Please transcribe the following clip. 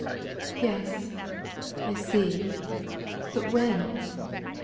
"Yes! I see. But when?"